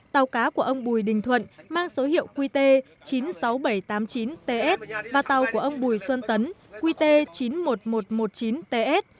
tàu cá của ông bùi đình thuận mang số hiệu qt chín mươi sáu nghìn bảy trăm tám mươi chín ts và tàu của ông bùi xuân tấn qt chín mươi một nghìn một trăm một mươi chín ts